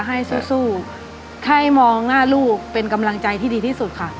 ให้สู้สู้ให้มองหน้าลูกเป็นกำลังใจที่ดีที่สุดค่ะ